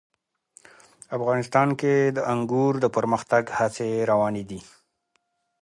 افغانستان کې د انګور د پرمختګ هڅې روانې دي.